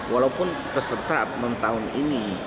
walaupun peserta up down tahun ini